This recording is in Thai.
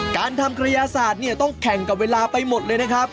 การทำกระยะสาดต้องแข่งกับเวลาไปหมดเลยนะครับ